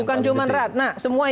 bukan cuma ratna